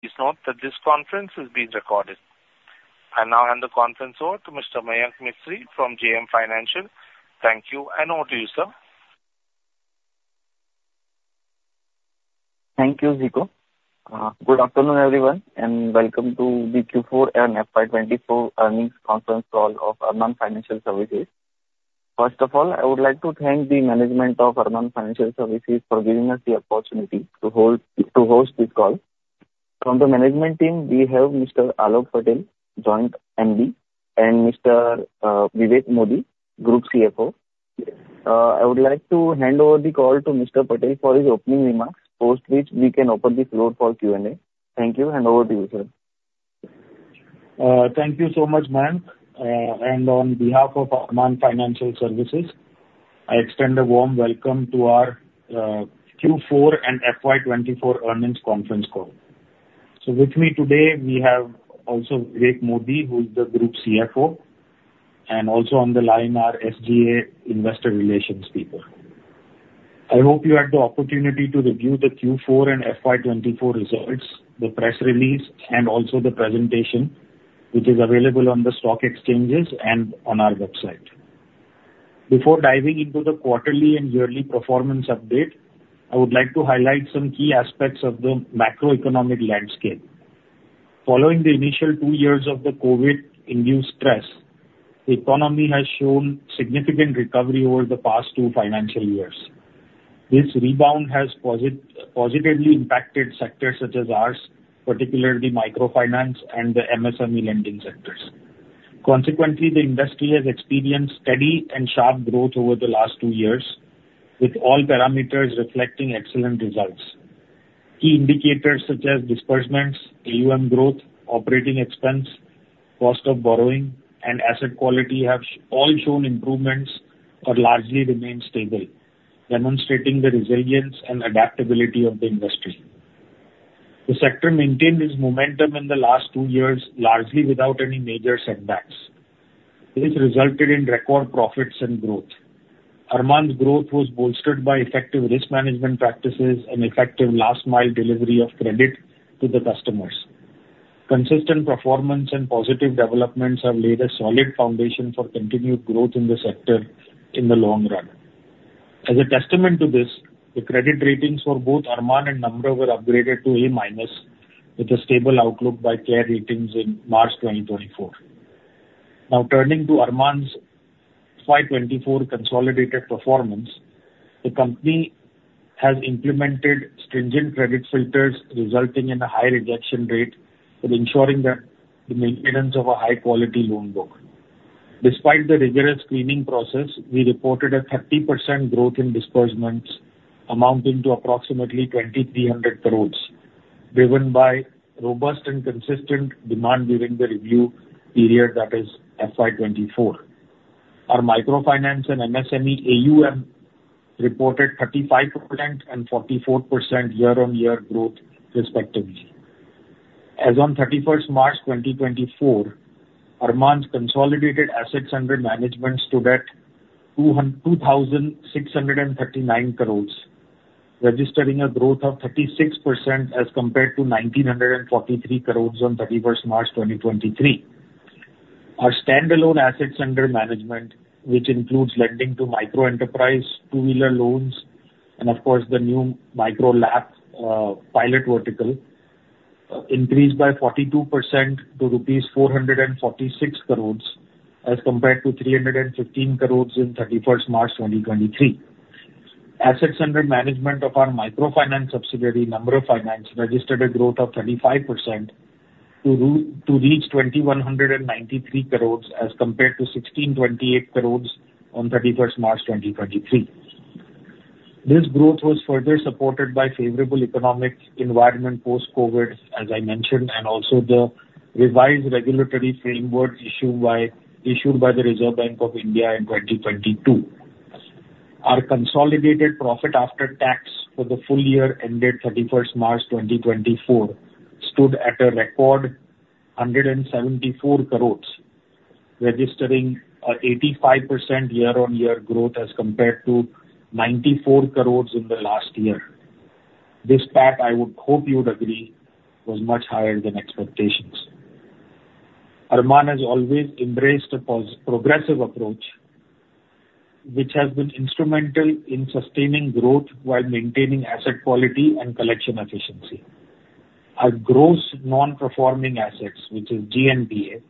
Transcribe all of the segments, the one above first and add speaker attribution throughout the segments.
Speaker 1: It's not that this conference is being recorded. I now hand the conference over to Mr. Mayank Mistry from JM Financial. Thank you, and over to you, sir.
Speaker 2: Thank you, Zico. Good afternoon, everyone, and welcome to the Q4 and FY 2024 earnings conference call of Arman Financial Services. First of all, I would like to thank the management of Arman Financial Services for giving us the opportunity to host this call. From the management team, we have Mr. Aalok Patel, Joint MD, and Mr. Vivek Modi, Group CFO. I would like to hand over the call to Mr. Patel for his opening remarks, post which we can open the floor for Q&A. Thank you, and over to you, sir.
Speaker 3: Thank you so much, Mayank. On behalf of Arman Financial Services, I extend a warm welcome to our Q4 and FY 2024 earnings conference call. So with me today, we also have Vivek Modi, who is the Group CFO, and also on the line are the SGA investor relations people. I hope you had the opportunity to review the Q4 and FY 2024 results, the press release, and also the presentation, which is available on the stock exchanges and on our website. Before diving into the quarterly and yearly performance update, I would like to highlight some key aspects of the macroeconomic landscape. Following the initial two years of the COVID-induced stress, the economy has shown significant recovery over the past two financial years. This rebound has positively impacted sectors such as ours, particularly microfinance and the MSME lending sectors. Consequently, the industry has experienced steady and sharp growth over the last two years, with all parameters reflecting excellent results. Key indicators such as disbursements, AUM growth, operating expense, cost of borrowing, and asset quality have all shown improvements but largely remained stable, demonstrating the resilience and adaptability of the industry. The sector maintained its momentum in the last two years largely without any major setbacks. This resulted in record profits and growth. Arman's growth was bolstered by effective risk management practices and effective last-mile delivery of credit to the customers. Consistent performance and positive developments have laid a solid foundation for continued growth in the sector in the long run. As a testament to this, the credit ratings for both Arman and Namra were upgraded to A-minus, with a stable outlook by CARE Ratings in March 2024. Now, turning to Arman's FY 2024 consolidated performance, the company has implemented stringent credit filters, resulting in a high rejection rate but ensuring the maintenance of a high-quality loan book. Despite the rigorous screening process, we reported a 30% growth in disbursements, amounting to approximately 2,300 crores, driven by robust and consistent demand during the review period, that is, FY 2024. Our microfinance and MSME AUM reported 35% and 44% year-on-year growth, respectively. As on March 31st 2024, Arman's consolidated assets under management stood at 2,639 crores, registering a growth of 36% as compared to 1,943 crores on March 31st 2023. Our standalone assets under management, which include lending to microenterprise, two-wheeler loans, and, of course, the new Micro LAP, pilot vertical, increased by 42% to rupees 446 crores as compared to 315 crores on March 31st 2023. Assets under management of our microfinance subsidiary, Namra Finance, registered a growth of 35% to reach 2,193 crores as compared to 1,628 crores on March 31st 2023. This growth was further supported by favorable economic environment post-COVID, as I mentioned, and also the revised regulatory framework issued by the Reserve Bank of India in 2022. Our consolidated profit after tax for the full year ended 31st March 2024 stood at a record 174 crores, registering an 85% year-on-year growth as compared to 94 crores in the last year. This PAT, I would hope you'd agree, was much higher than expectations. Arman has always embraced a progressive approach, which has been instrumental in sustaining growth while maintaining asset quality and collection efficiency. Our gross non-performing assets, which is GNPA,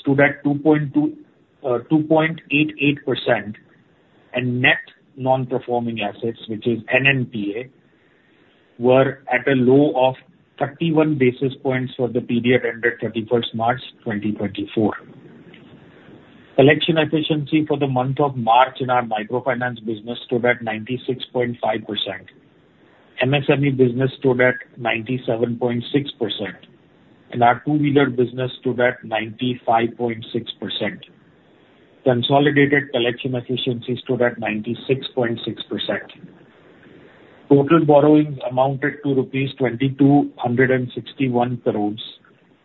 Speaker 3: stood at 2.28%, and net non-performing assets, which is NNPA, were at a low of 31 basis points for the period ended March 31st 2024. Collection efficiency for the month of March in our microfinance business stood at 96.5%. MSME business stood at 97.6%, and our two-wheeler business stood at 95.6%. Consolidated collection efficiency stood at 96.6%. Total borrowings amounted to rupees 2,261 crores,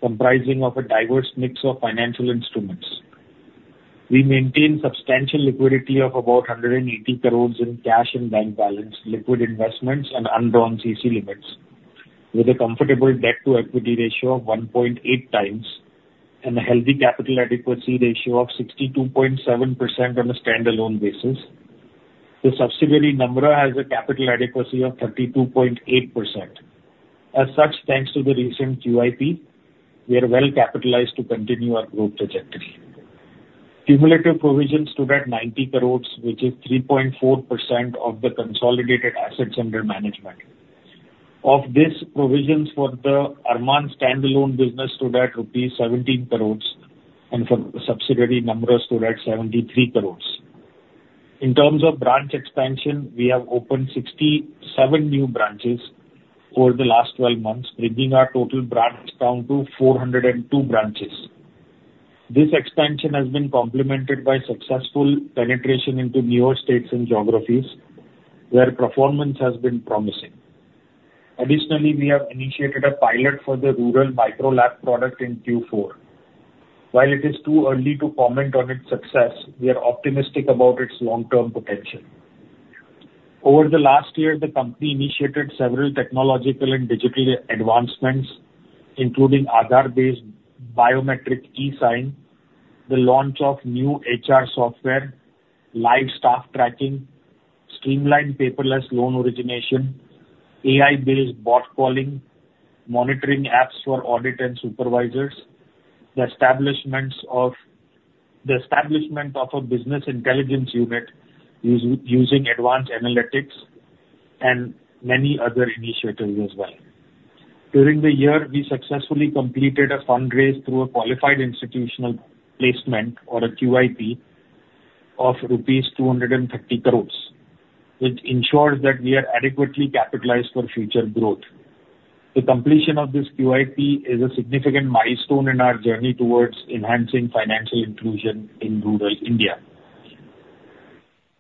Speaker 3: comprising a diverse mix of financial instruments. We maintained substantial liquidity of about 180 crores in cash and bank balance, liquid investments, and undrawn CC limits, with a comfortable debt-to-equity ratio of 1.8 times and a healthy capital adequacy ratio of 62.7% on a standalone basis. The subsidiary Namra has a capital adequacy of 32.8%. As such, thanks to the recent QIP, we are well capitalized to continue our growth trajectory. Cumulative provisions stood at INR 90 crore, which is 3.4% of the consolidated assets under management. Of this, provisions for the Arman standalone business stood at rupees 17 crore, and for the subsidiary Namra stood at 73 crore. In terms of branch expansion, we have opened 67 new branches over the last 12 months, bringing our total branch count to 402 branches. This expansion has been complemented by successful penetration into newer states and geographies, where performance has been promising. Additionally, we have initiated a pilot for the rural Micro LAP product in Q4. While it is too early to comment on its success, we are optimistic about its long-term potential. Over the last year, the company initiated several technological and digital advancements, including Aadhaar-based biometric eSign, the launch of new HR software, live staff tracking, streamlined paperless loan origination, AI-based bot calling, monitoring apps for audit and supervisors, the establishment of a business intelligence unit using advanced analytics, and many other initiatives as well. During the year, we successfully completed a fundraise through a qualified institutional placement, or a QIP, of rupees 230 crores, which ensures that we are adequately capitalized for future growth. The completion of this QIP is a significant milestone in our journey towards enhancing financial inclusion in rural India.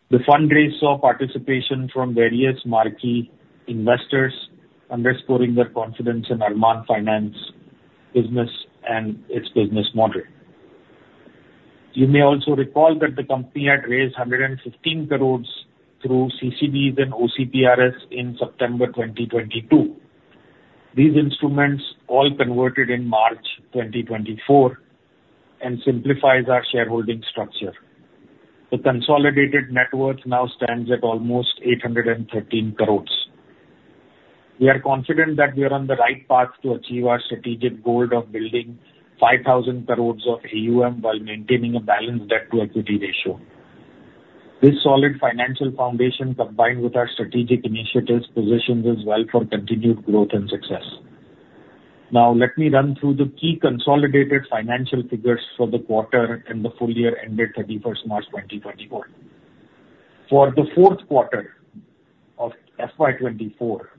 Speaker 3: The fundraiser saw participation from various marquee investors, underscoring their confidence in Arman Financial Services business and its business model. You may also recall that the company had raised 115 crores through CCDs and OCRPS in September 2022. These instruments all converted in March 2024 and simplified our shareholding structure. The consolidated net worth now stands at almost 813 crore. We are confident that we are on the right path to achieve our strategic goal of building 5,000 crore of AUM while maintaining a balanced debt-to-equity ratio. This solid financial foundation, combined with our strategic initiatives, positions us well for continued growth and success. Now, let me run through the key consolidated financial figures for the quarter and the full year ended March 31st 2024. For the fourth quarter of FY 2024,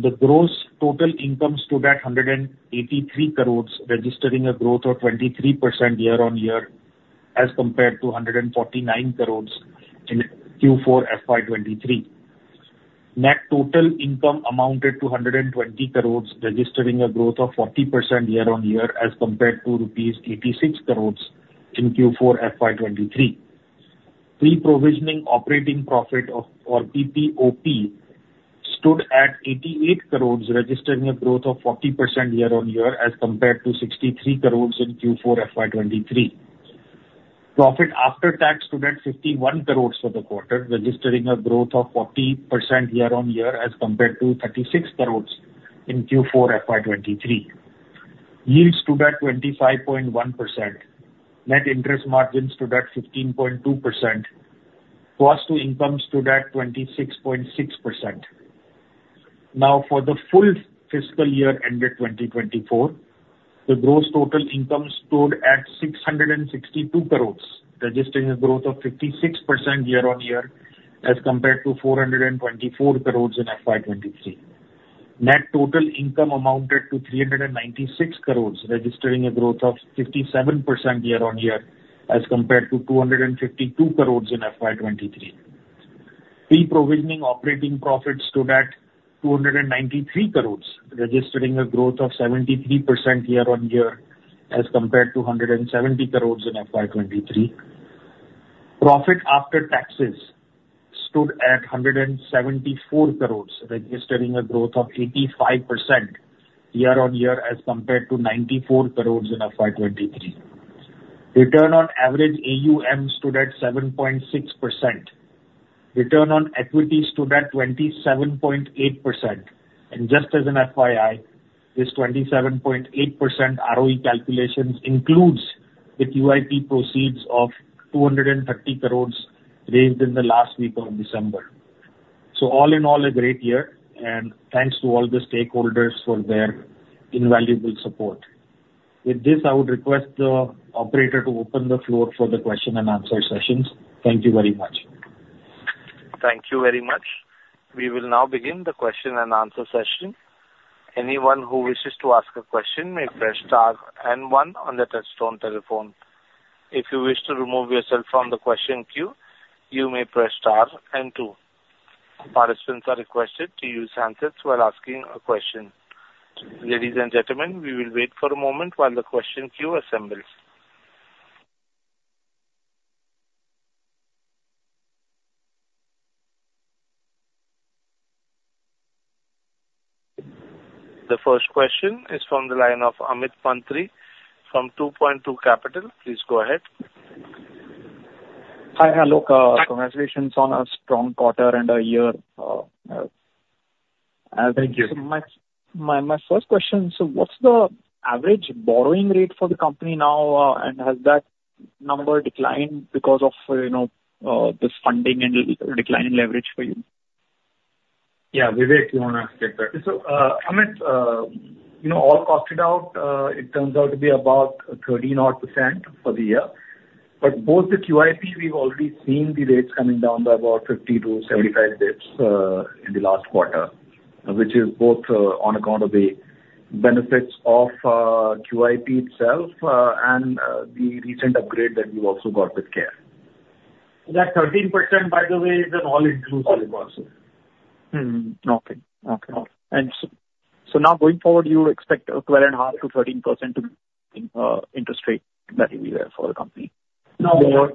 Speaker 3: the gross total income stood at 183 crore, registering a growth of 23% year-on-year as compared to 149 crore in Q4 FY 2023. Net total income amounted to 120 crore, registering a growth of 40% year-on-year as compared to rupees 86 crore in Q4 FY 2023. Pre-provisioning operating profit, or PPOP, stood at 88 crores, registering a growth of 40% year-on-year as compared to 63 crores in Q4 FY 2023. Profit after tax stood at 51 crores for the quarter, registering a growth of 40% year-on-year as compared to 36 crores in Q4 FY 2023. Yields stood at 25.1%. Net interest margin stood at 15.2%. Cost-to-income stood at 26.6%. Now, for the full fiscal year ended 2024, the gross total income stood at 662 crores, registering a growth of 56% year-on-year as compared to 424 crores in FY 2023. Net total income amounted to 396 crores, registering a growth of 57% year-on-year as compared to 252 crores in FY 2023. Pre-provisioning operating profit stood at 293 crores, registering a growth of 73% year-on-year as compared to 170 crores in FY 2023. Profit after taxes stood at 174 crores, registering a growth of 85% year-on-year as compared to 94 crores in FY 2023. Return on average AUM stood at 7.6%. Return on equity stood at 27.8%. And just as an FYI, this 27.8% ROE calculation includes the QIP proceeds of 230 crores raised in the last week of December. So all in all, a great year, and thanks to all the stakeholders for their invaluable support. With this, I would request the operator to open the floor for the question-and-answer sessions. Thank you very much.
Speaker 1: Thank you very much. We will now begin the question-and-answer session. Anyone who wishes to ask a question may press star, and one on the touchtone telephone. If you wish to remove yourself from the question queue, you may press star, and two. Participants are requested to use handsets while asking a question. Ladies and gentlemen, we will wait for a moment while the question queue assembles. The first question is from the line of Amit Mantri from 2Point2 Capital. Please go ahead.
Speaker 4: Hi, Aalok. Congratulations on a strong quarter and a year. Thank you. So my first question, so what's the average borrowing rate for the company now, and has that number declined because of this funding and decline in leverage for you?
Speaker 3: Yeah, Vivek, you want to ask that.
Speaker 5: So Amit, all costed out, it turns out to be about 30-odd % for the year. But both the QIP, we've already seen the rates coming down by about 50-75 bips in the last quarter, which is both on account of the benefits of QIP itself and the recent upgrade that we've also got with CARE.
Speaker 3: That 13%, by the way, is an all-inclusive also.
Speaker 4: Okay. So now going forward, you expect 12.5%-13% interest rate that will be there for the company?
Speaker 5: No. Lower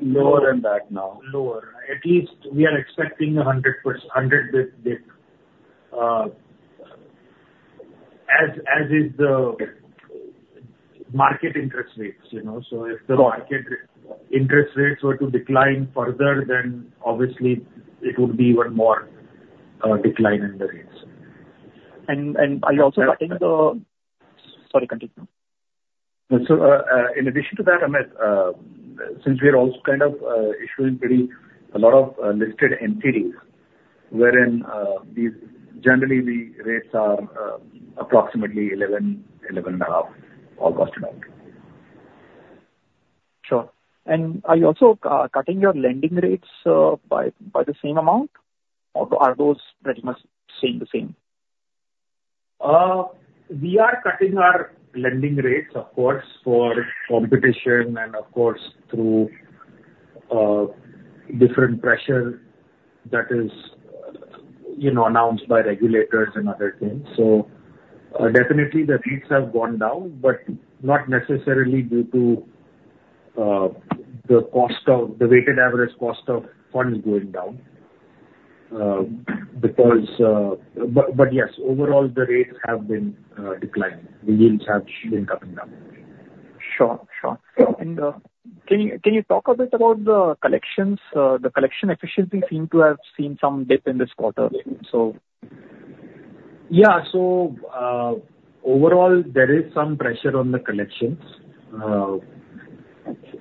Speaker 5: than that now.
Speaker 3: Lower. At least we are expecting 100 basis points, as is the market interest rates. So if the market interest rates were to decline further, then obviously, it would be even more decline in the rates.
Speaker 4: And are you also cutting the sorry, continue.
Speaker 5: So in addition to that, Amit, since we are also kind of issuing pretty a lot of listed entities, wherein generally, the rates are approximately 11%-11.5%, all costed out.
Speaker 4: Sure. And are you also cutting your lending rates by the same amount, or are those pretty much staying the same?
Speaker 3: We are cutting our lending rates, of course, for competition and, of course, through different pressure that is announced by regulators and other things. So definitely, the rates have gone down, but not necessarily due to the weighted average cost of funds going down. But yes, overall, the rates have been declining. The yields have been cutting down.
Speaker 4: Sure. Sure. And can you talk a bit about the collections? The collection efficiency seemed to have seen some dip in this quarter, so.
Speaker 3: Yeah. So overall, there is some pressure on the collections.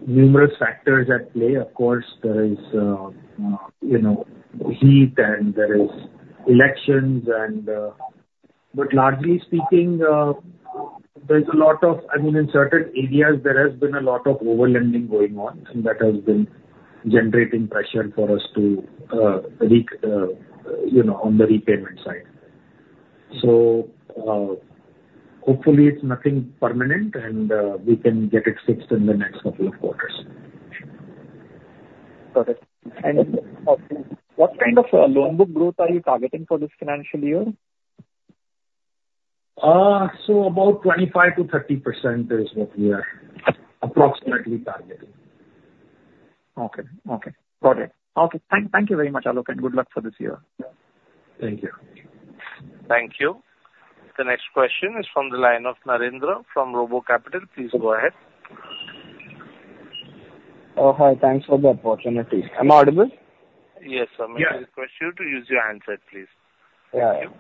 Speaker 3: Numerous factors at play. Of course, there is heat, and there is elections. But largely speaking, there's a lot of, I mean, in certain areas, there has been a lot of overlending going on, and that has been generating pressure for us on the repayment side. So hopefully, it's nothing permanent, and we can get it fixed in the next couple of quarters.
Speaker 4: Got it. And what kind of loan book growth are you targeting for this financial year?
Speaker 3: So about 25%-30% is what we are approximately targeting.
Speaker 4: Okay. Okay. Got it. Okay. Thank you very much, Aalok, and good luck for this year.
Speaker 3: Thank you.
Speaker 1: Thank you. The next question is from the line of Narendra from RoboCapital. Please go ahead.
Speaker 6: Hi. Thanks for the opportunity. Am I audible?
Speaker 1: Yes, sir. May I request you to use your handset, please?
Speaker 6: Yeah. Thank you.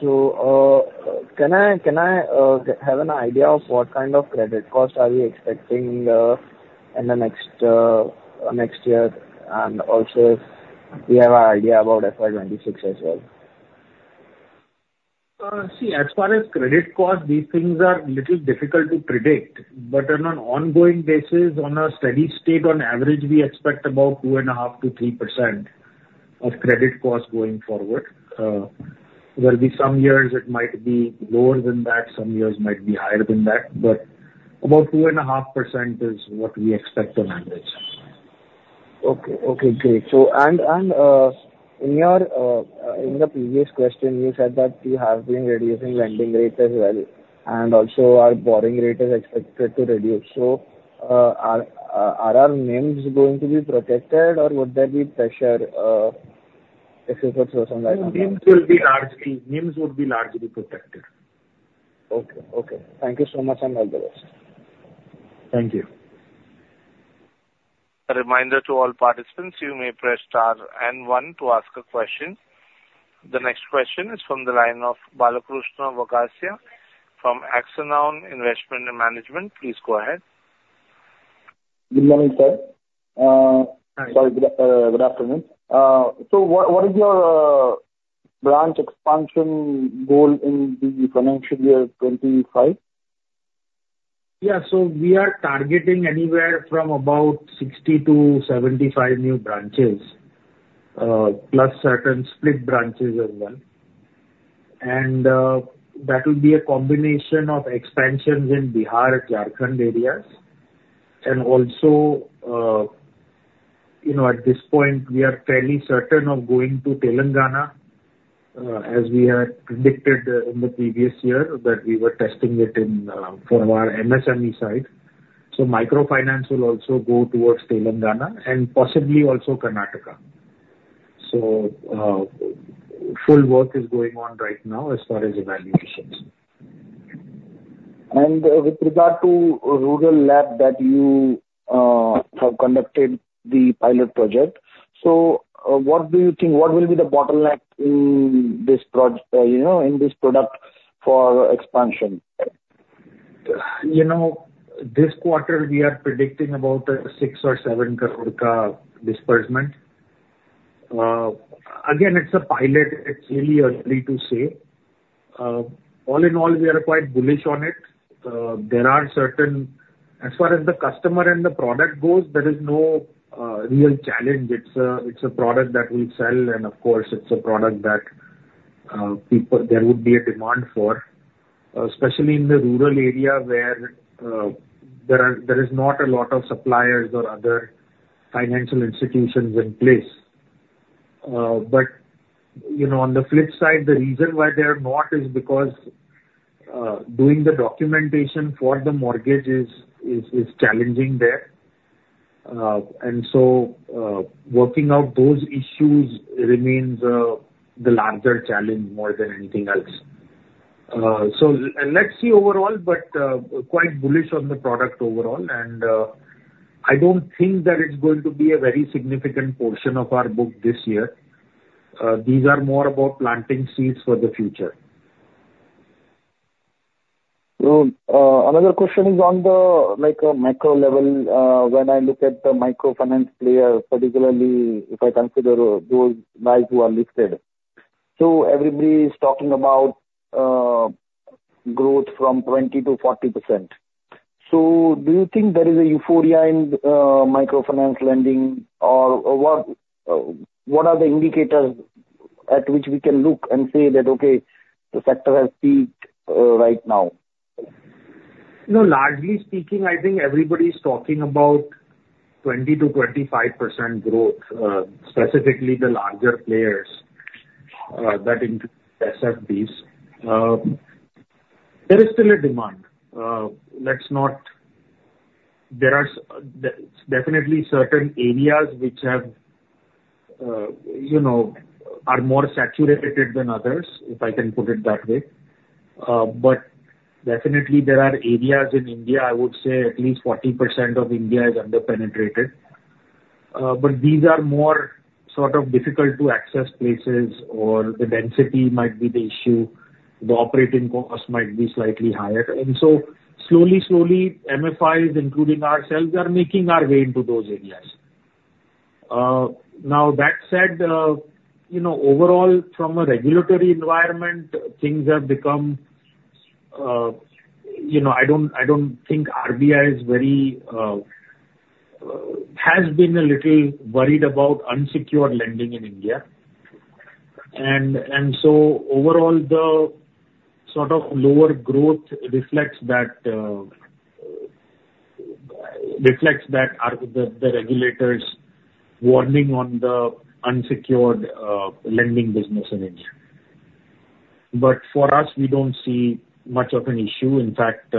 Speaker 6: So can I have an idea of what kind of credit cost are we expecting in the next year? And also, we have an idea about FY 2026 as well.
Speaker 3: See, as far as credit cost, these things are a little difficult to predict. But on an ongoing basis, on a steady state, on average, we expect about 2.5%-3% of credit cost going forward. There'll be some years it might be lower than that. Some years might be higher than that. But about 2.5% is what we expect on average.
Speaker 6: Okay. Okay. Great. And in the previous question, you said that you have been reducing lending rates as well, and also our borrowing rate is expected to reduce. So are our NIMs going to be protected, or would there be pressure if you could show some examples?
Speaker 3: NIMs would be largely protected.
Speaker 6: Okay. Okay. Thank you so much, and all the best.
Speaker 3: Thank you.
Speaker 1: A reminder to all participants, you may press star, and one, to ask a question. The next question is from the line of Balkrushna Vaghasia from Axanoun Investment Management. Please go ahead.
Speaker 7: Good morning, sir. Sorry. Good afternoon. So, what is your branch expansion goal in the financial year 2025?
Speaker 3: Yeah. So we are targeting anywhere from about 60-75 new branches, plus certain split branches as well. That will be a combination of expansions in the Bihar and Jharkhand areas. And also, at this point, we are fairly certain of going to Telangana, as we had predicted in the previous year that we were testing it for our MSME side. So microfinance will also go towards Telangana and possibly also Karnataka. So full work is going on right now as far as evaluations.
Speaker 7: And with regard to Micro LAP that you have conducted the pilot project, so what do you think what will be the bottleneck in this product for expansion?
Speaker 3: This quarter, we are predicting about an 6 crore or 7 crore disbursement. Again, it's a pilot. It's really early to say. All in all, we are quite bullish on it. There are certain as far as the customer and the product goes, there is no real challenge. It's a product that we sell, and of course, it's a product that there would be a demand for, especially in the rural area where there is not a lot of suppliers or other financial institutions in place. But on the flip side, the reason why there are not is because doing the documentation for the mortgage is challenging there. And so working out those issues remains the larger challenge more than anything else. So let's see overall, but quite bullish on the product overall. And I don't think that it's going to be a very significant portion of our book this year. These are more about planting seeds for the future.
Speaker 7: So another question is on the macro level. When I look at the microfinance players, particularly if I consider those guys who are listed, so everybody is talking about growth from 20%-40%. So do you think there is a euphoria in microfinance lending, or what are the indicators at which we can look and say that, "Okay, the sector has peaked right now?
Speaker 3: Largely speaking, I think everybody is talking about 20%-25% growth, specifically the larger players that include SFBs. There is still a demand. There are definitely certain areas that are more saturated than others, if I can put it that way. But definitely, there are areas in India, I would say at least 40% of India is underpenetrated. But these are more sort of difficult-to-access places, or the density might be the issue. The operating cost might be slightly higher. And so slowly, slowly, MFIs, including ourselves, are making our way into those areas. Now, that said, overall, from a regulatory environment, things have become. I don't think RBI has been a little worried about unsecured lending in India. So overall, the sort of lower growth reflects that the regulator's warning on the unsecured lending business in India. But for us, we don't see much of an issue. In fact,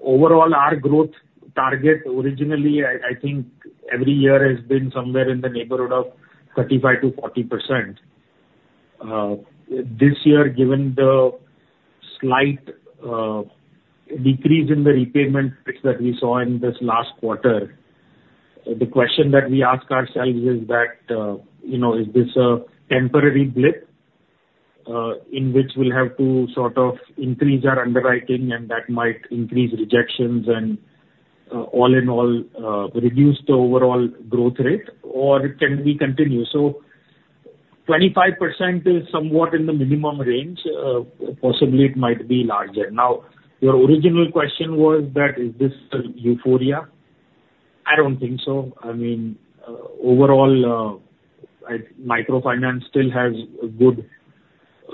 Speaker 3: overall, our growth target originally, I think, every year has been somewhere in the neighborhood of 35%-40%. This year, given the slight decrease in the repayment that we saw in this last quarter, the question that we ask ourselves is that, "Is this a temporary blip in which we'll have to sort of increase our underwriting, and that might increase rejections and all in all reduce the overall growth rate, or can we continue?" So 25% is somewhat in the minimum range. Possibly, it might be larger. Now, your original question was that, "Is this euphoria?" I don't think so. I mean, overall, microfinance still has a good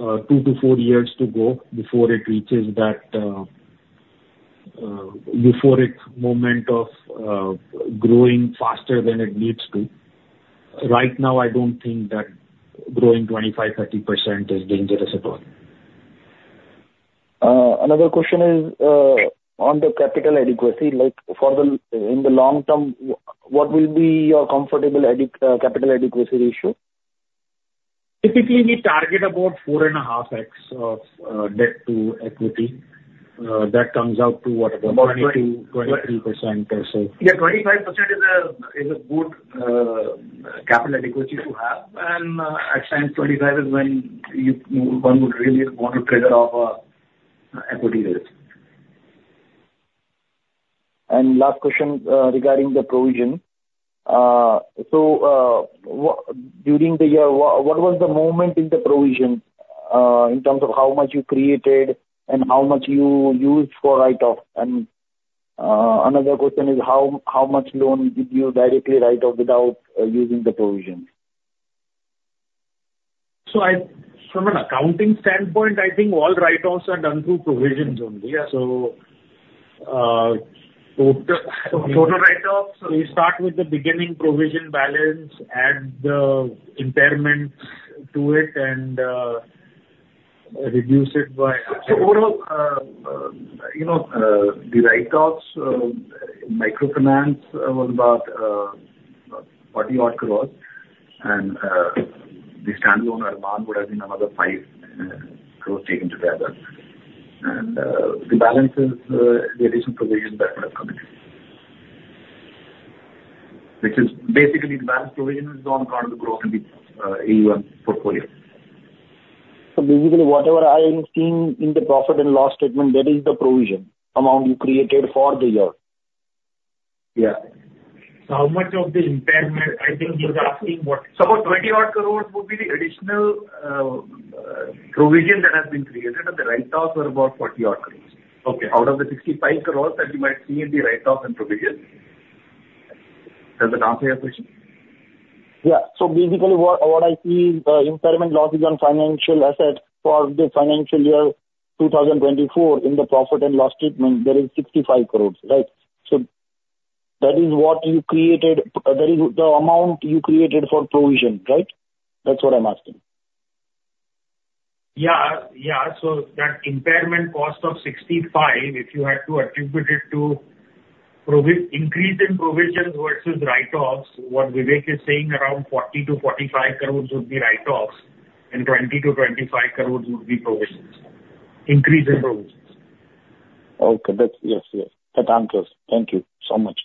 Speaker 3: 2-4 years to go before it reaches that euphoric moment of growing faster than it needs to. Right now, I don't think that growing 25%-30% is dangerous at all.
Speaker 7: Another question is on the capital adequacy. In the long term, what will be your comfortable capital adequacy ratio?
Speaker 3: Typically, we target about 4.5x of debt to equity. That comes out to what, about 20%-23% or so.
Speaker 5: Yeah. 25% is a good capital adequacy to have. And at times, 25% is when one would really want to trigger off an equity rate.
Speaker 7: And last question regarding the provision. So during the year, what was the movement in the provision in terms of how much you created and how much you used for write-off? And another question is, how much loan did you directly write off without using the provisions?
Speaker 3: So from an accounting standpoint, I think all write-offs are done through provisions only. So total write-offs, we start with the beginning provision balance, add the impairments to it, and reduce it by.
Speaker 5: So overall, the write-offs, microfinance was about 40 crore. And the standalone Arman would have been another 5 crore taken together. And the balance is the additional provisions that would have come in, which is basically the balance provision is on kind of the growth in the AUM portfolio.
Speaker 7: So basically, whatever I am seeing in the profit and loss statement, that is the provision amount you created for the year?
Speaker 3: Yeah. So, how much of the impairment? I think he's asking what.
Speaker 5: So, about 20-odd crore would be the additional provision that has been created, and the write-offs are about 40-odd crore out of the 65 crore that you might see in the write-offs and provisions. Does that answer your question?
Speaker 7: Yeah. So, basically, what I see is the impairment losses on financial assets for the financial year 2024, in the profit and loss statement, there is 65 crore, right? So, that is what you created; that is the amount you created for provision, right? That's what I'm asking.
Speaker 3: Yeah. Yeah. So, that impairment cost of 65 crore, if you had to attribute it to increase in provisions versus write-offs, what Vivek is saying, around 40 crore-45 crore would be write-offs, and 20 crore-25 crore would be an increase in provisions.
Speaker 7: Okay. Yes. Yes. That answers. Thank you so much.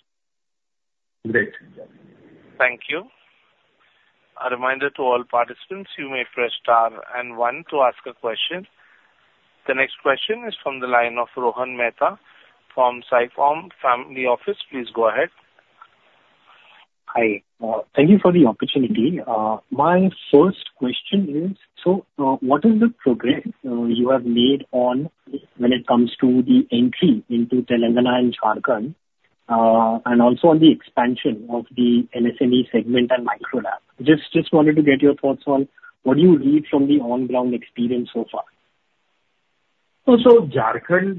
Speaker 7: Great.
Speaker 1: Thank you. A reminder to all participants, you may press star and 1 to ask a question. The next question is from the line of Rohan Mehta from Ficom Family Office. Please go ahead.
Speaker 8: Hi. Thank you for the opportunity. My first question is, so what is the progress you have made when it comes to the entry into Telangana and Jharkhand and also on the expansion of the MSME segment and Micro LAP? Just wanted to get your thoughts on what do you read from the on-ground experience so far?
Speaker 3: So Jharkhand,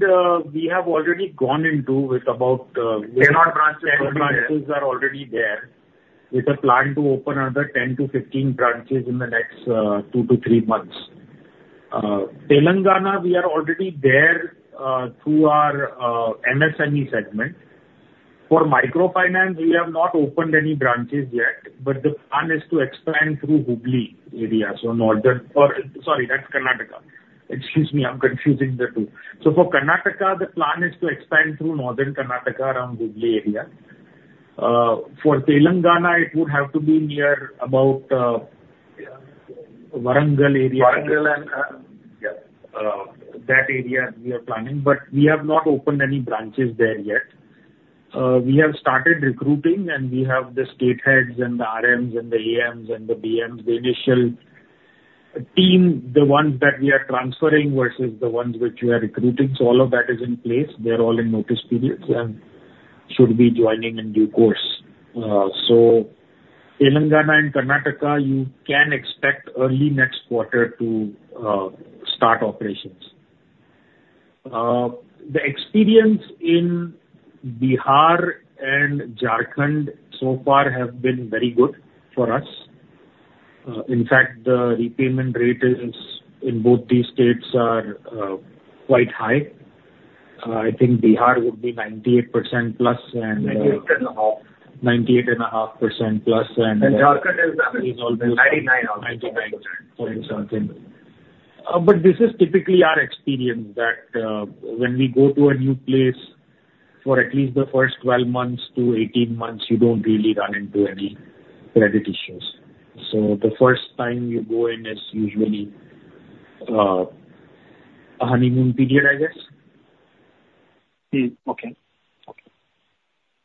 Speaker 3: we have already gone into with about 10 or 12 branches are already there with a plan to open another 10-15 branches in the next 2-3 months. Telangana, we are already there through our MSME segment. For microfinance, we have not opened any branches yet, but the plan is to expand through Hubli area. So northern or sorry, that's Karnataka. Excuse me. I'm confusing the two. So for Karnataka, the plan is to expand through northern Karnataka around the Hubli area. For Telangana, it would have to be near about Warangal area. Warangal, and yeah, that area we are planning. But we have not opened any branches there yet. We have started recruiting, and we have the state heads and the RMs and the AMs and the BMs. The initial team, the ones that we are transferring versus the ones which we are recruiting, so all of that is in place. They're all in notice periods and should be joining in due course. So Telangana and Karnataka, you can expect early next quarter to start operations. The experience in Bihar and Jharkhand so far has been very good for us. In fact, the repayment rate in both these states are quite high. I think Bihar would be 98.5% plus. And Jharkhand is almost 99 or 99%, something. But this is typically our experience that when we go to a new place for at least the first 12-18 months, you don't really run into any credit issues. So the first time you go in is usually a honeymoon period, I guess.
Speaker 8: Okay. Okay.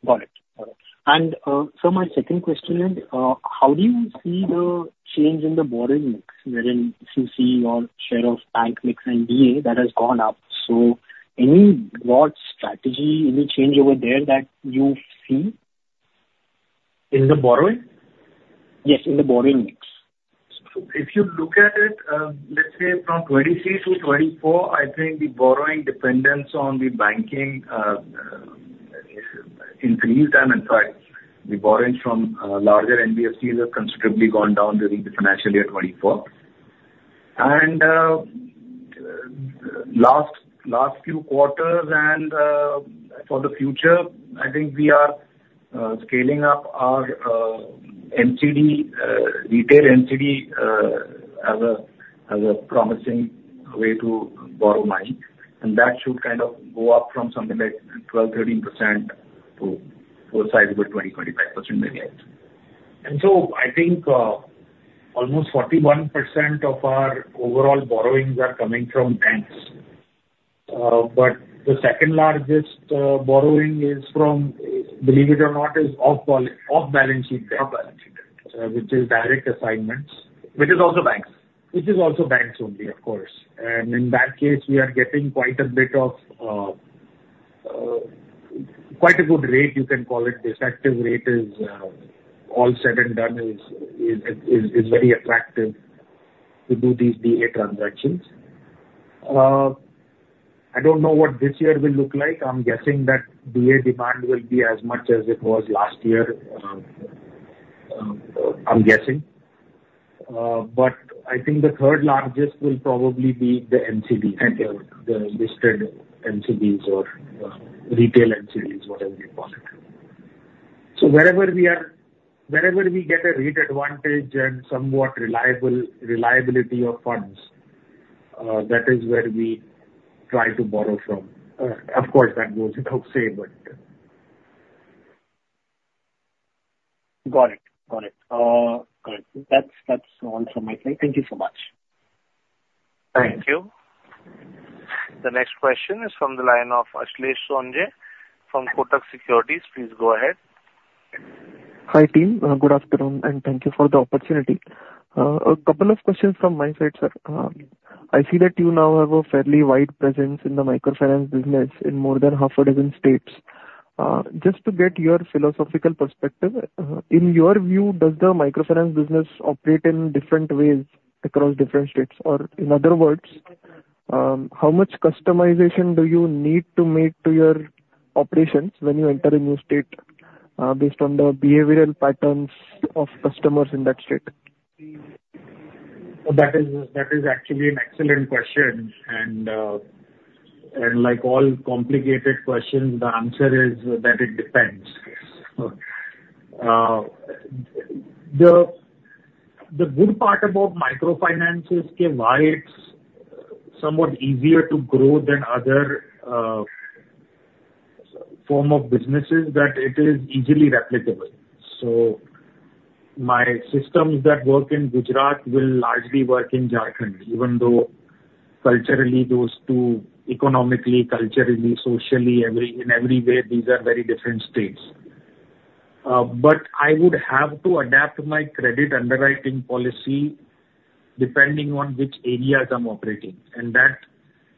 Speaker 8: Got it. Got it. And so my second question is, how do you see the change in the borrowing mix wherein you see your share of bank mix and DA that has gone up? So any broad strategy, any change over there that you see?
Speaker 3: In the borrowing?
Speaker 8: Yes, in the borrowing mix.
Speaker 5: So if you look at it, let's say from 2023 to 2024, I think the borrowing dependence on the banking increased. I mean, sorry, the borrowing from larger NBFCs has considerably gone down during the financial year 2024. And last few quarters and for the future, I think we are scaling up our retail NCD as a promising way to borrow money. And that should kind of go up from something like 12%-13% to a sizeable 20%-25% maybe.
Speaker 3: And so I think almost 41% of our overall borrowings are coming from banks. But the second largest borrowing is from, believe it or not, is off-balance sheet debt. Off-balance sheet debt, which is direct assignments.
Speaker 5: Which is also banks.
Speaker 3: Which is also banks only, of course. In that case, we are getting quite a bit of quite a good rate, you can call it. This effective rate is all said and done is very attractive to do these DA transactions. I don't know what this year will look like. I'm guessing that DA demand will be as much as it was last year, I'm guessing. But I think the third largest will probably be the NCDs, the listed NCDs or retail NCDs, whatever you call it. So wherever we get a rate advantage and somewhat reliability of funds, that is where we try to borrow from. Of course, that goes without saying, but.
Speaker 8: Got it. Got it. Got it. That's all from my side. Thank you so much.
Speaker 1: Thank you. The next question is from the line of Ashlesh Sonje from Kotak Securities. Please go ahead.
Speaker 9: Hi team. Good afternoon, and thank you for the opportunity. A couple of questions from my side, sir. I see that you now have a fairly wide presence in the microfinance business in more than half a dozen states. Just to get your philosophical perspective, in your view, does the microfinance business operate in different ways across different states? Or, in other words, how much customization do you need to make to your operations when you enter a new state based on the behavioral patterns of customers in that state?
Speaker 3: That is actually an excellent question. Like all complicated questions, the answer is that it depends. The good part about microfinances is why it's somewhat easier to grow than other forms of businesses, that it is easily replicable. So my systems that work in Gujarat will largely work in Jharkhand, even though culturally, those two, economically, culturally, socially, in every way, these are very different states. But I would have to adapt my credit underwriting policy depending on which areas I'm operating. And that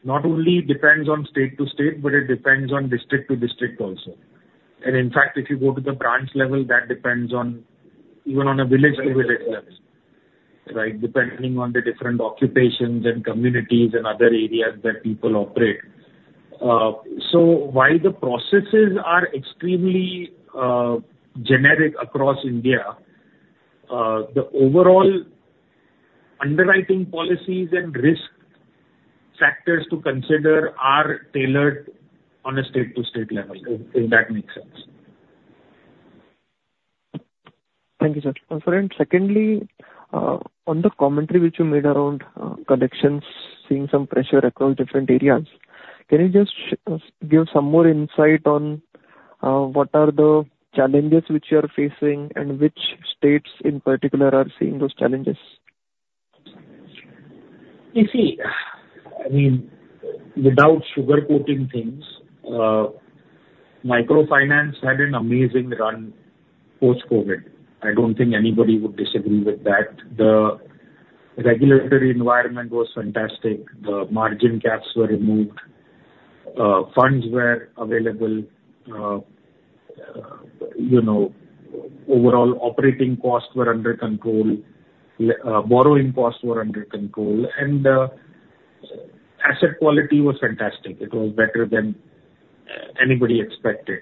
Speaker 3: not only depends on state to state, but it depends on district to district also. And in fact, if you go to the branch level, that depends even on a village to village level, right, depending on the different occupations and communities and other areas that people operate. So while the processes are extremely generic across India, the overall underwriting policies and risk factors to consider are tailored on a state to state level, if that makes sense.
Speaker 9: Thank you, sir. And for secondly, on the commentary which you made around collections, seeing some pressure across different areas, can you just give some more insight on what are the challenges which you are facing and which states in particular are seeing those challenges?
Speaker 3: You see, I mean, without sugarcoating things, microfinance had an amazing run post-COVID. I don't think anybody would disagree with that. The regulatory environment was fantastic. The margin caps were removed. Funds were available. Overall, operating costs were under control. Borrowing costs were under control. And asset quality was fantastic. It was better than anybody expected.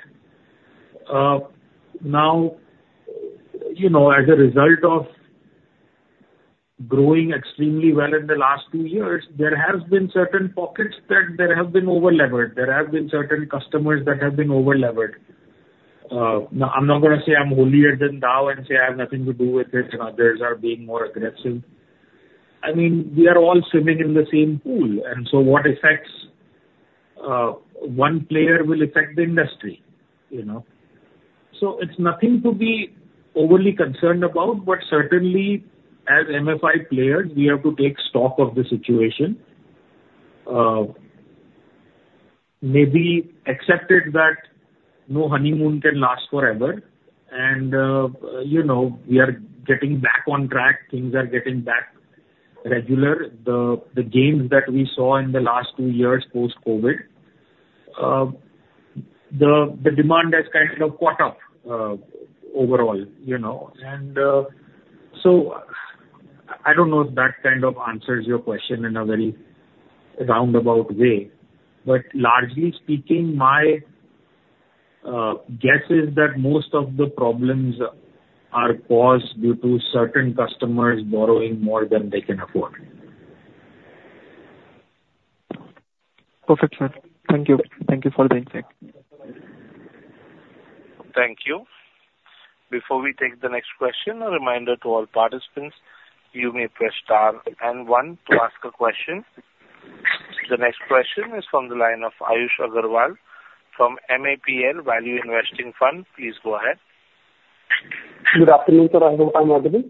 Speaker 3: Now, as a result of growing extremely well in the last two years, there have been certain pockets that there have been overlevered. There have been certain customers that have been overlevered. Now, I'm not going to say I'm holier than thou and say I have nothing to do with it. Others are being more aggressive. I mean, we are all swimming in the same pool. And so what affects one player will affect the industry. So it's nothing to be overly concerned about. But certainly, as MFI players, we have to take stock of the situation, maybe accept that no honeymoon can last forever. And we are getting back on track. Things are getting back regular. The gains that we saw in the last two years post-COVID, the demand has kind of caught up overall. And so I don't know if that kind of answers your question in a very roundabout way. But largely speaking, my guess is that most of the problems are caused due to certain customers borrowing more than they can afford.
Speaker 9: Perfect, sir. Thank you. Thank you for the insight.
Speaker 1: Thank you. Before we take the next question, a reminder to all participants, you may press star, and one, to ask a question. The next question is from the line of Ayush Agrawal from MAPL Value Investing Fund. Please go ahead.
Speaker 10: Good afternoon, sir. I hope I'm audible.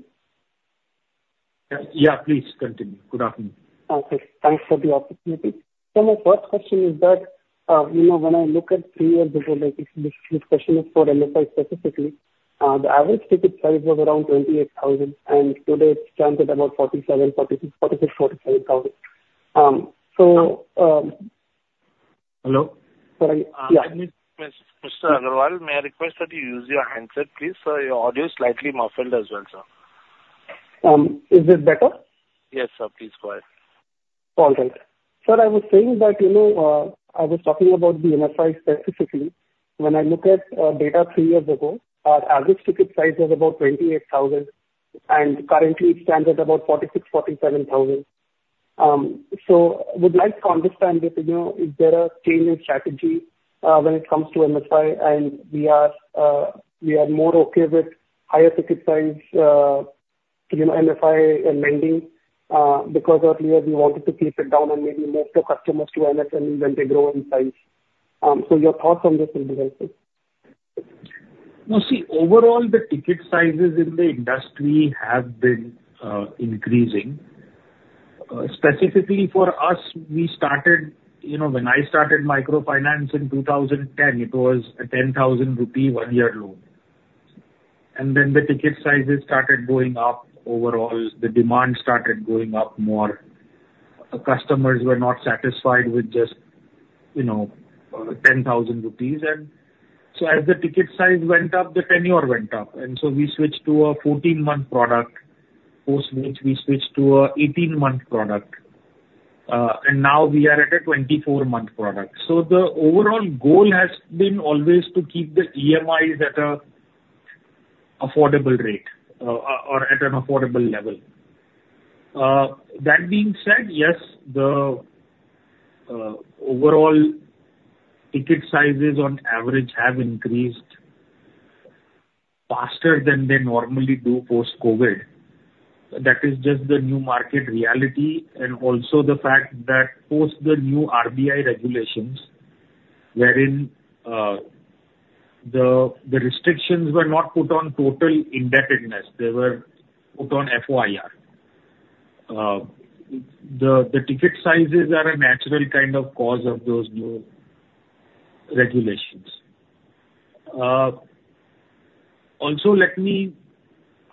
Speaker 1: Yeah, please continue. Good afternoon.
Speaker 10: Okay. Thanks for the opportunity. So my first question is that when I look at 3 years ago, if this question is for MFI specifically, the average ticket price was around 28,000. And today, it's at about 46,000-47,000. So.
Speaker 1: Hello?
Speaker 10: Sorry. Yeah.
Speaker 1: Mr. Agrawal, may I request that you use your handset, please? Your audio is slightly muffled as well, sir.
Speaker 10: Is it better?
Speaker 1: Yes, sir. Please go ahead.
Speaker 10: All right. Sir, I was saying that I was talking about the MFI specifically. When I look at data three years ago, our average ticket price was about 28,000. And currently, it stands at about 46,000-47,000. So I would like to understand if there is a change in strategy when it comes to MFI. And we are more okay with higher ticket size MFI lending because earlier, we wanted to keep it down and maybe move the customers to MFI when they grow in size. So your thoughts on this would be helpful.
Speaker 3: Well, see, overall, the ticket sizes in the industry have been increasing. Specifically for us, when I started microfinance in 2010, it was a 10,000 rupee one-year loan. And then the ticket sizes started going up overall. The demand started going up more. Customers were not satisfied with just 10,000 rupees. And so as the ticket size went up, the tenure went up. And so we switched to a 14-month product, post-which we switched to an 18-month product. And now, we are at a 24-month product. So the overall goal has been always to keep the EMIs at an affordable rate or at an affordable level. That being said, yes, the overall ticket sizes, on average, have increased faster than they normally do post-COVID. That is just the new market reality and also the fact that post the new RBI regulations wherein the restrictions were not put on total indebtedness. They were put on FOIR. The ticket sizes are a natural kind of cause of those new regulations. Also,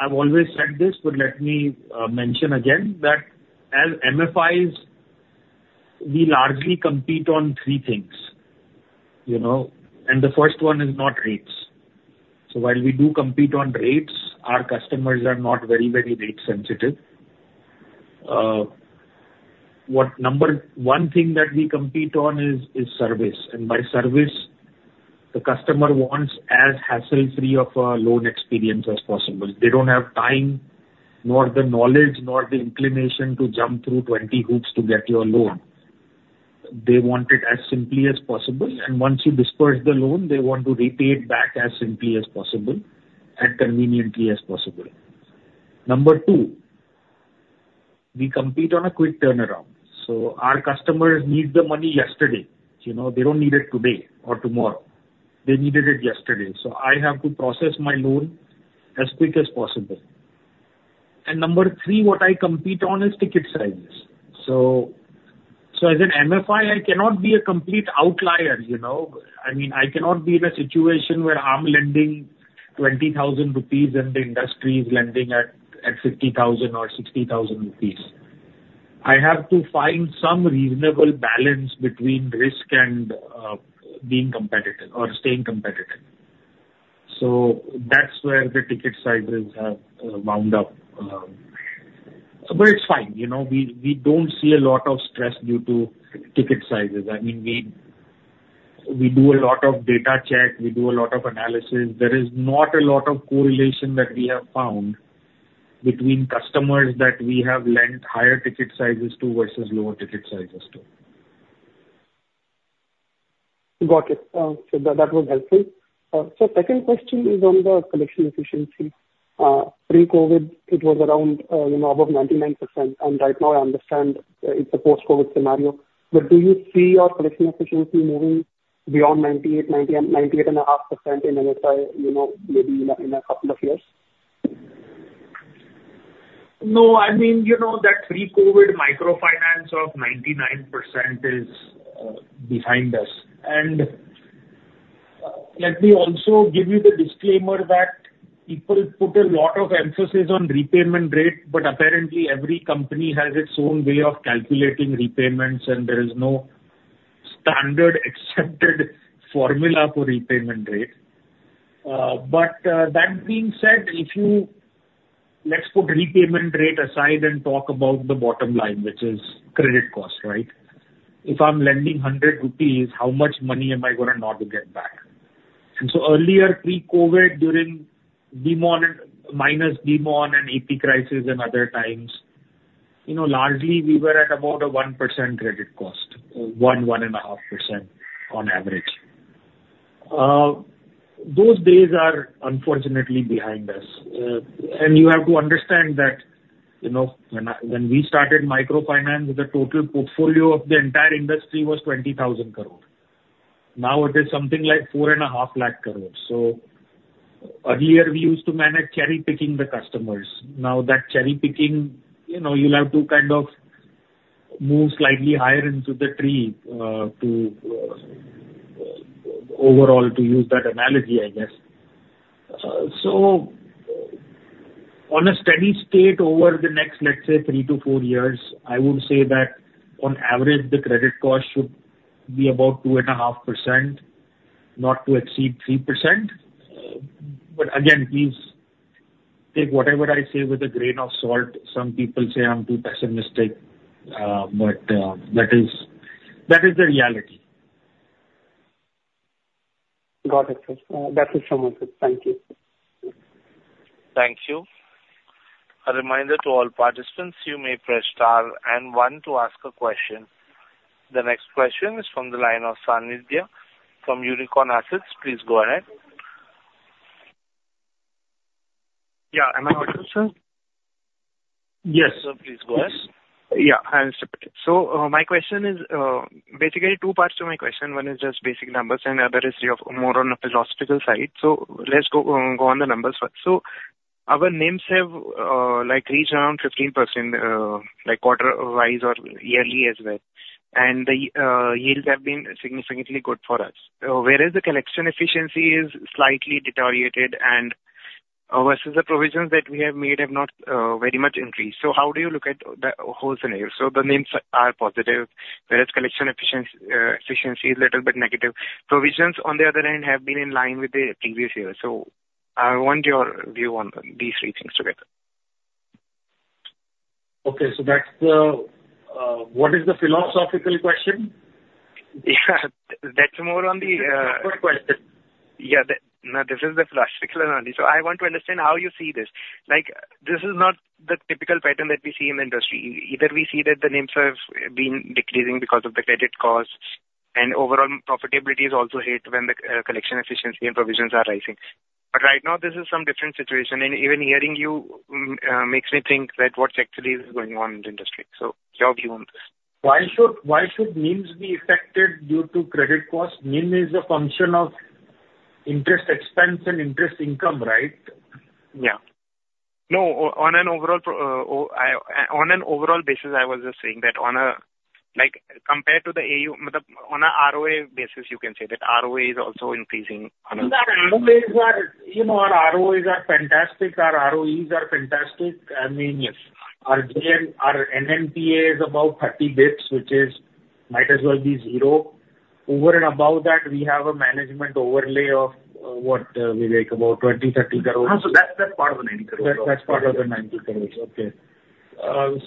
Speaker 3: I've always said this, but let me mention again that as MFIs, we largely compete on three things. And the first one is not rates. So while we do compete on rates, our customers are not very, very rate-sensitive. Number one thing that we compete on is service. By service, the customer wants as hassle-free of a loan experience as possible. They don't have time, nor the knowledge, nor the inclination to jump through 20 hoops to get your loan. They want it as simply as possible. Once you disburse the loan, they want to repay it back as simply as possible and conveniently as possible. Number two, we compete on a quick turnaround. Our customers need the money yesterday. They don't need it today or tomorrow. They needed it yesterday. I have to process my loan as quick as possible. Number three, what I compete on is ticket sizes. As an MFI, I cannot be a complete outlier. I mean, I cannot be in a situation where I'm lending 20,000 rupees and the industry is lending at 50,000 or 60,000 rupees. I have to find some reasonable balance between risk and being competitive or staying competitive. So that's where the ticket sizes have wound up. But it's fine. We don't see a lot of stress due to ticket sizes. I mean, we do a lot of data check. We do a lot of analysis. There is not a lot of correlation that we have found between customers that we have lent higher ticket sizes to versus lower ticket sizes to.
Speaker 10: Got it. That was helpful. So second question is on the collection efficiency. Pre-COVID, it was around above 99%. And right now, I understand it's a post-COVID scenario. But do you see your collection efficiency moving beyond 98%-98.5% in MFI maybe in a couple of years?
Speaker 3: No. I mean, that pre-COVID microfinance of 99% is behind us. Let me also give you the disclaimer that people put a lot of emphasis on repayment rate. But apparently, every company has its own way of calculating repayments. And there is no standard accepted formula for repayment rate. But that being said, let's put repayment rate aside and talk about the bottom line, which is credit cost, right? If I'm lending 100 rupees, how much money am I going to not get back? So earlier, pre-COVID, during Demonetization and AP crisis and other times, largely, we were at about a 1% credit cost, 1%-1.5% on average. Those days are, unfortunately, behind us. And you have to understand that when we started microfinance, the total portfolio of the entire industry was 20,000 crore. Now, it is something like 450,000 crore. So earlier, we used to manage cherry-picking the customers. Now, that cherry-picking, you'll have to kind of move slightly higher into the tree overall to use that analogy, I guess. So on a steady state over the next, let's say, 3-4 years, I would say that on average, the credit cost should be about 2.5%, not to exceed 3%. But again, please take whatever I say with a grain of salt. Some people say I'm too pessimistic. But that is the reality.
Speaker 10: Got it, sir. That is so much good. Thank you.
Speaker 1: Thank you. A reminder to all participants, you may press star and one to ask a question. The next question is from the line of Sanidhya from Unicorn Assets. Please go ahead.
Speaker 11: Yeah. Am I audible, sir?
Speaker 1: Yes. Sir, please go ahead.
Speaker 11: Yeah. Hi, Mr. Patel. So my question is basically 2 parts to my question. One is just basic numbers, and the other is more on a philosophical side. So let's go on the numbers first. So our NIMs have reached around 15% quarter-wise or yearly as well. And the yields have been significantly good for us, whereas the collection efficiency is slightly deteriorated versus the provisions that we have made have not very much increased. So how do you look at the whole scenario? So the NIMs are positive, whereas collection efficiency is a little bit negative. Provisions, on the other hand, have been in line with the previous year. So I want your view on these three things together.
Speaker 3: Okay. So what is the philosophical question?
Speaker 11: Yeah. That's more on the. That's a good question. Yeah. No, this is the philosophical analogy. So I want to understand how you see this. This is not the typical pattern that we see in the industry. Either we see that the NIMs have been decreasing because of the credit cost, and overall, profitability is also hit when the collection efficiency and provisions are rising. But right now, this is some different situation. Even hearing you makes me think that what's actually going on in the industry. So your view on this.
Speaker 3: Why should NIMs be affected due to credit cost? NIM is a function of interest expense and interest income, right?
Speaker 11: Yeah. No. On an overall basis, I was just saying that compared to the AUM, on an ROA basis, you can say that ROA is also increasing on a.
Speaker 3: Our ROAs are fantastic. Our ROEs are fantastic. I mean, yes. Our NNPA is about 30 basis points, which might as well be zero. Over and above that, we have a management overlay of what, Vivek? About 20-30 crores.
Speaker 5: Oh, so that's part of the 90 crore.
Speaker 3: That's part of the 90 crore. Okay.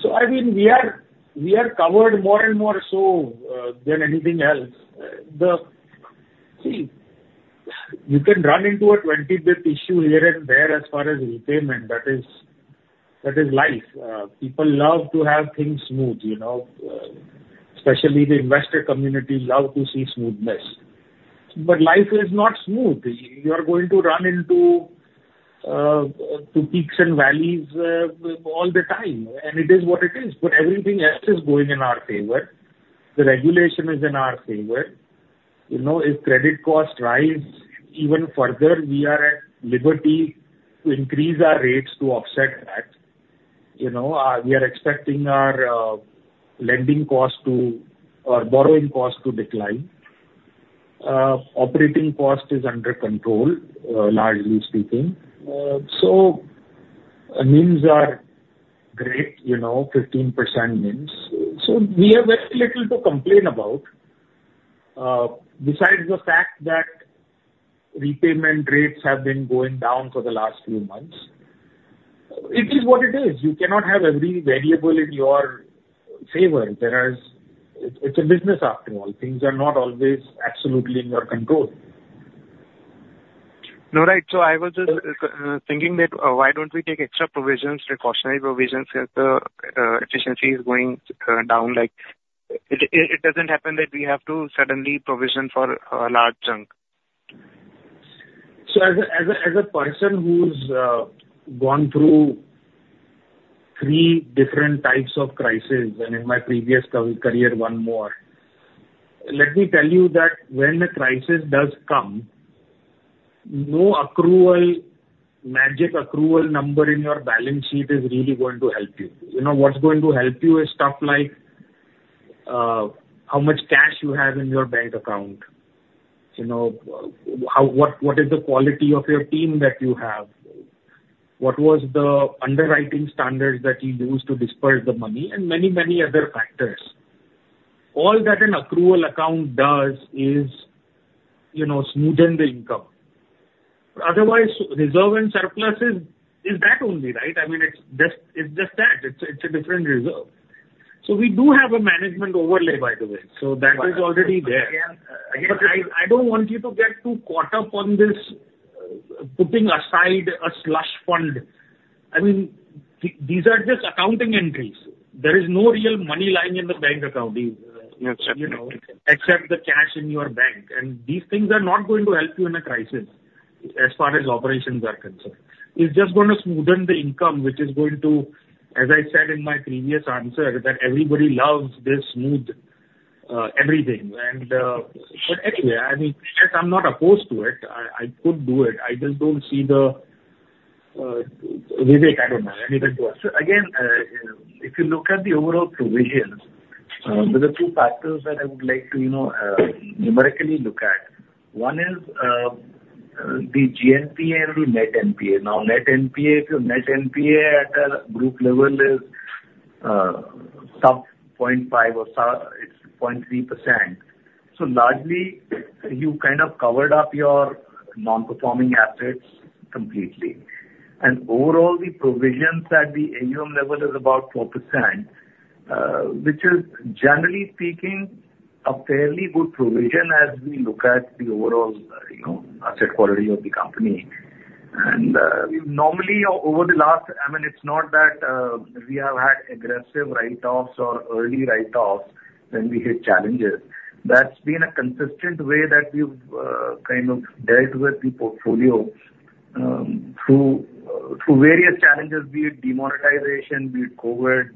Speaker 3: So I mean, we are covered more and more so than anything else. See, you can run into a 20 basis points issue here and there as far as repayment. That is life. People love to have things smooth, especially the investor community love to see smoothness. But life is not smooth. You are going to run into peaks and valleys all the time. And it is what it is. But everything else is going in our favor. The regulation is in our favor. If credit costs rise even further, we are at liberty to increase our rates to offset that. We are expecting our lending cost or borrowing cost to decline. Operating cost is under control, largely speaking. So NIMs are great, 15% NIMs. So we have very little to complain about besides the fact that repayment rates have been going down for the last few months. It is what it is. You cannot have every variable in your favor. It's a business after all. Things are not always absolutely in your control.
Speaker 11: No, right. So I was just thinking that why don't we take extra precautionary provisions if the efficiency is going down? It doesn't happen that we have to suddenly provision for a large chunk?
Speaker 3: So as a person who's gone through three different types of crises and in my previous career, one more, let me tell you that when a crisis does come, no magic accrual number in your balance sheet is really going to help you. What's going to help you is stuff like how much cash you have in your bank account, what is the quality of your team that you have, what was the underwriting standards that you used to disperse the money, and many, many other factors. All that an accrual account does is smoothen the income. Otherwise, reserve and surplus is that only, right? I mean, it's just that. It's a different reserve. So we do have a management overlay, by the way. So that is already there. But again, I don't want you to get too caught up on this putting aside a slush fund. I mean, these are just accounting entries. There is no real money lying in the bank account except the cash in your bank. And these things are not going to help you in a crisis as far as operations are concerned. It's just going to smoothen the income, which is going to, as I said in my previous answer, that everybody loves this smooth everything. But anyway, I mean, yes, I'm not opposed to it. I could do it. I just don't see the, Vivek. I don't know. Anything to add?
Speaker 5: So again, if you look at the overall provisions, there are two factors that I would like to numerically look at. One is the GNPA and the net NPA. Now, net NPA, if your net NPA at a group level is sub 0.5% or it's 0.3%, so largely, you kind of covered up your non-performing assets completely. And overall, the provisions at the AUM level is about 4%, which is, generally speaking, a fairly good provision as we look at the overall asset quality of the company. Normally, over the last I mean, it's not that we have had aggressive write-offs or early write-offs when we hit challenges. That's been a consistent way that we've kind of dealt with the portfolio through various challenges, be it demonetization, be it COVID,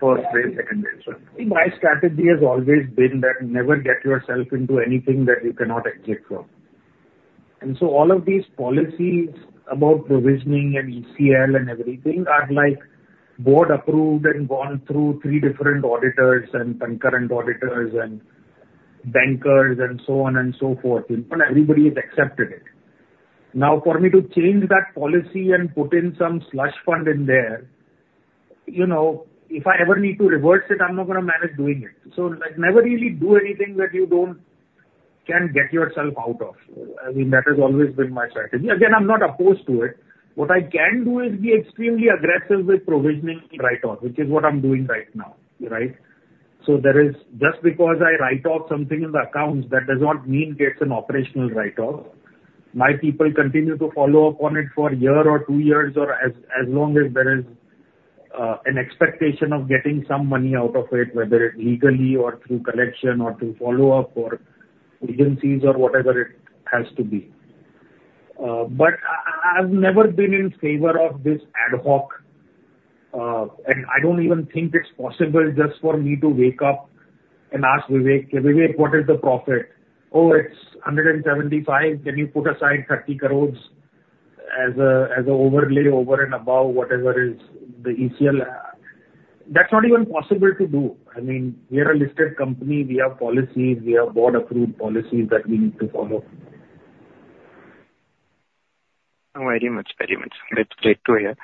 Speaker 5: first wave, second wave.
Speaker 3: See, my strategy has always been that never get yourself into anything that you cannot exit from. And so all of these policies about provisioning and ECL and everything are board-approved and gone through three different auditors and concurrent auditors and bankers and so on and so forth. And everybody has accepted it. Now, for me to change that policy and put in some slush fund in there, if I ever need to reverse it, I'm not going to manage doing it. So never really do anything that you can't get yourself out of. I mean, that has always been my strategy. Again, I'm not opposed to it. What I can do is be extremely aggressive with provisioning write-off, which is what I'm doing right now, right? So just because I write off something in the accounts, that does not mean it's an operational write-off. My people continue to follow up on it for a year or two years or as long as there is an expectation of getting some money out of it, whether it's legally or through collection or through follow-up or agencies or whatever it has to be. But I've never been in favor of this ad hoc. And I don't even think it's possible just for me to wake up and ask Vivek, "Vivek, what is the profit?" "Oh, it's 175 crore. Can you put aside 30 crore as an overlay over and above whatever is the ECL?" That's not even possible to do. I mean, we are a listed company. We have policies. We have board-approved policies that we need to follow.
Speaker 11: Oh, very much. Very much. That's great to hear.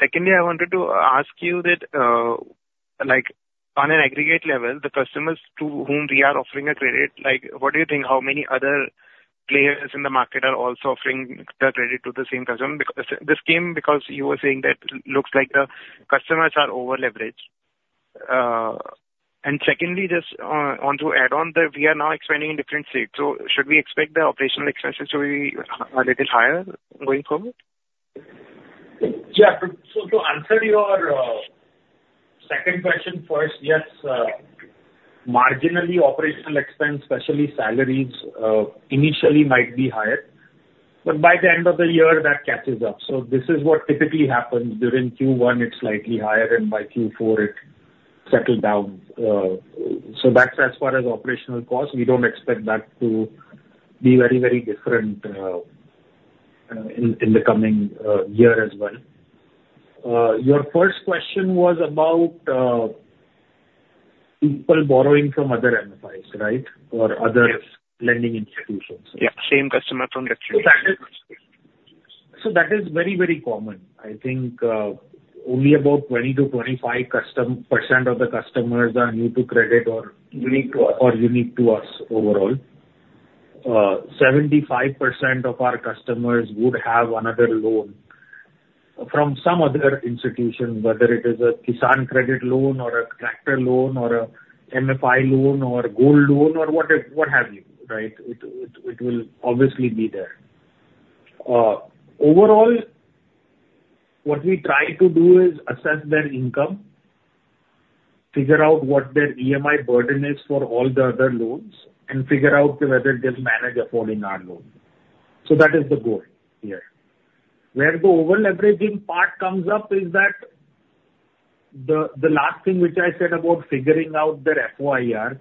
Speaker 11: Secondly, I wanted to ask you that on an aggregate level, the customers to whom we are offering a credit, what do you think? How many other players in the market are also offering the credit to the same customer? This came because you were saying that it looks like the customers are overleveraged. Secondly, just on to add on, we are now expanding in different states. So should we expect the operational expenses to be a little higher going forward?
Speaker 3: Yeah. So to answer your second question first, yes, marginally operational expense, especially salaries, initially might be higher. But by the end of the year, that catches up. So this is what typically happens. During Q1, it's slightly higher. By Q4, it settles down. That's as far as operational costs. We don't expect that to be very, very different in the coming year as well. Your first question was about people borrowing from other MFIs, right, or other lending institutions.
Speaker 11: Yeah. Same customer from the Q1.
Speaker 3: That is very, very common. I think only about 20%-25% of the customers are new to credit or
Speaker 5: unique to us.
Speaker 3: Or unique to us overall. 75% of our customers would have another loan from some other institution, whether it is a Kisan credit loan or a tractor loan or an MFI loan or a gold loan or what have you, right? It will obviously be there. Overall, what we try to do is assess their income, figure out what their EMI burden is for all the other loans, and figure out whether they'll manage affording our loan. So that is the goal here. Where the overleveraging part comes up is that the last thing which I said about figuring out their FOIR,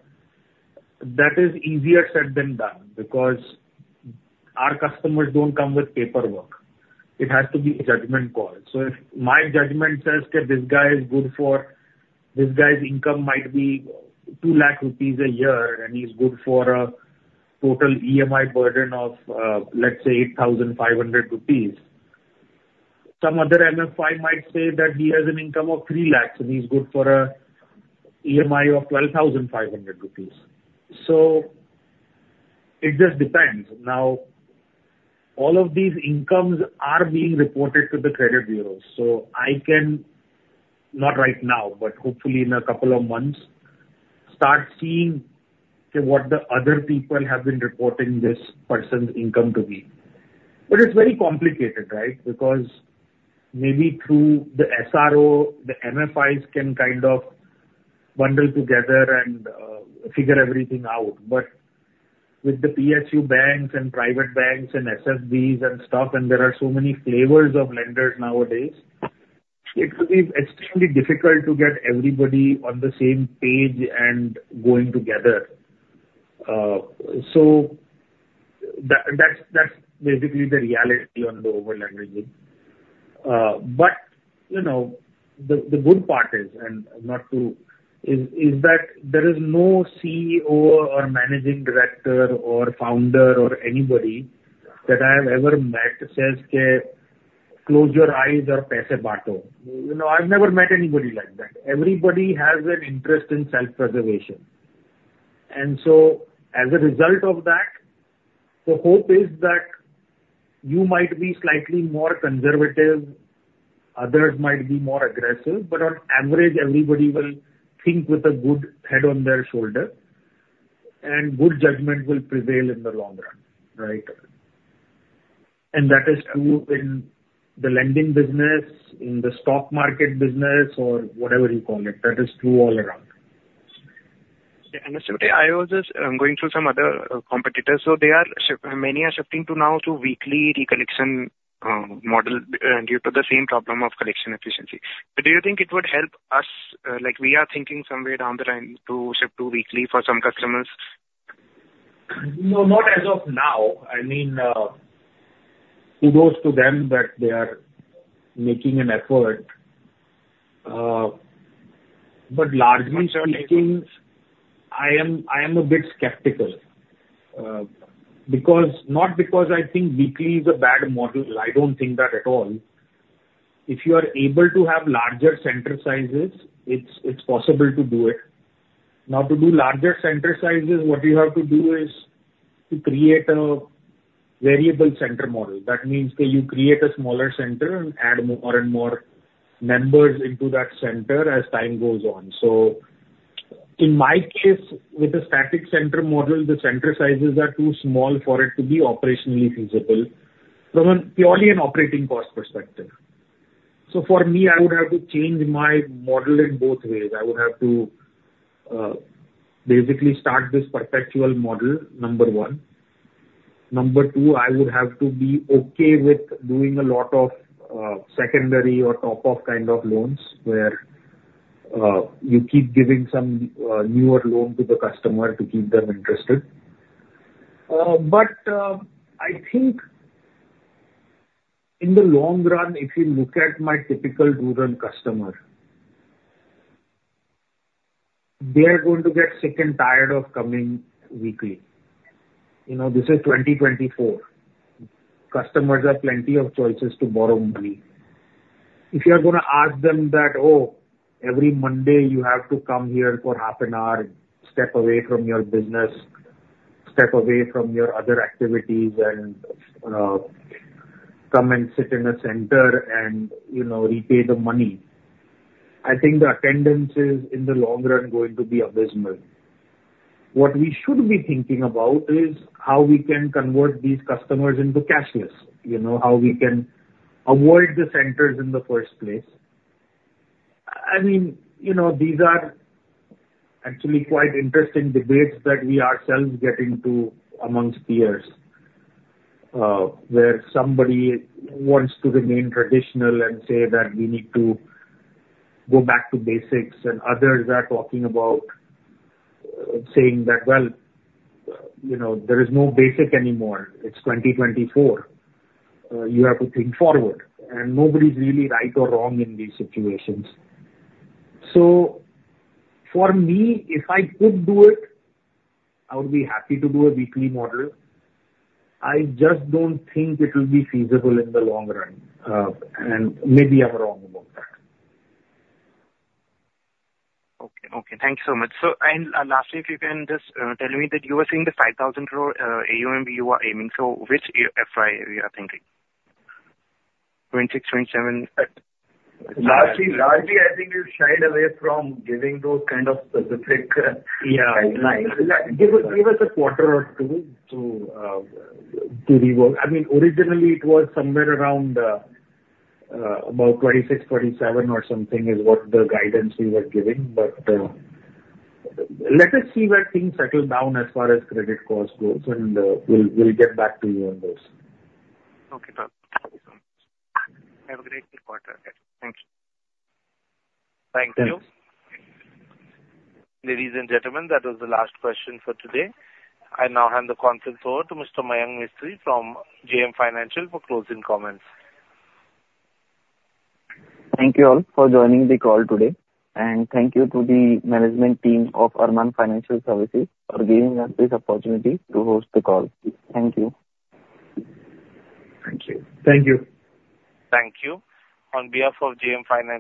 Speaker 3: that is easier said than done because our customers don't come with paperwork. It has to be a judgment call. So if my judgment says that this guy is good for this guy's income might be 200,000 rupees a year, and he's good for a total EMI burden of, let's say, 8,500 rupees, some other MFI might say that he has an income of 300,000, and he's good for an EMI of 12,500 rupees. So it just depends. Now, all of these incomes are being reported to the credit bureaus. So I can, not right now, but hopefully in a couple of months, start seeing what the other people have been reporting this person's income to be. But it's very complicated, right, because maybe through the SRO, the MFIs can kind of bundle together and figure everything out. But with the PSU banks and private banks and SFBs and stuff, and there are so many flavors of lenders nowadays, it could be extremely difficult to get everybody on the same page and going together. So that's basically the reality on the overleveraging. But the good part is, and not to, is that there is no CEO or managing director or founder or anybody that I have ever met says that, "Close your eyes or paise baato." I've never met anybody like that. Everybody has an interest in self-preservation. And so as a result of that, the hope is that you might be slightly more conservative, others might be more aggressive. But on average, everybody will think with a good head on their shoulder, and good judgment will prevail in the long run, right? And that is true in the lending business, in the stock market business, or whatever you call it. That is true all around.
Speaker 11: Yeah. And assuming I was is going through some other competitors, so many are shifting now to weekly collection model due to the same problem of collection efficiency. But do you think it would help us? We are thinking somewhere down the line to shift to weekly for some customers.
Speaker 3: No, not as of now. I mean, kudos to them that they are making an effort. But largely speaking, I am a bit skeptical not because I think weekly is a bad model. I don't think that at all. If you are able to have larger center sizes, it's possible to do it. Now, to do larger center sizes, what you have to do is to create a variable center model. That means that you create a smaller center and add more and more members into that center as time goes on. So in my case, with a static center model, the center sizes are too small for it to be operationally feasible from purely an operating cost perspective. So for me, I would have to change my model in both ways. I would have to basically start this perpetual model, number one. Number two, I would have to be okay with doing a lot of secondary or top-off kind of loans where you keep giving some newer loan to the customer to keep them interested. But I think in the long run, if you look at my typical rural customer, they are going to get sick and tired of coming weekly. This is 2024. Customers have plenty of choices to borrow money. If you are going to ask them that, "Oh, every Monday, you have to come here for half an hour, step away from your business, step away from your other activities, and come and sit in a center and repay the money," I think the attendance is, in the long run, going to be abysmal. What we should be thinking about is how we can convert these customers into cashless, how we can avoid the centers in the first place. I mean, these are actually quite interesting debates that we ourselves get into amongst peers where somebody wants to remain traditional and say that we need to go back to basics, and others are talking about saying that, "Well, there is no basic anymore. It's 2024. You have to think forward." And nobody's really right or wrong in these situations. So for me, if I could do it, I would be happy to do a weekly model. I just don't think it will be feasible in the long run. And maybe I'm wrong about that.
Speaker 11: Okay. Okay. Thanks so much. And lastly, if you can just tell me that you were saying the 5,000 AUM you are aiming. So which FY are you thinking? 2026, 2027?
Speaker 3: Lastly, I think we've shied away from giving those kind of specific guidelines. Give us a quarter or two to rework. I mean, originally, it was somewhere around about 2026, 2027 or something is what the guidance we were giving. But let us see where things settle down as far as credit cost goes. And we'll get back to you on those.
Speaker 11: Okay. Perfect. Have a great quarter. Thank you.
Speaker 1: Thank you. Ladies and gentlemen, that was the last question for today. I now hand the conference over to Mr. Mayank Mistry from JM Financial for closing comments.
Speaker 2: Thank you all for joining the call today. And thank you to the management team of Arman Financial Services for giving us this opportunity to host the call. Thank you.
Speaker 3: Thank you.
Speaker 1: Thank you. On behalf of JM Financial.